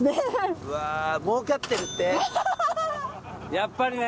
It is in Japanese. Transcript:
やっぱりね。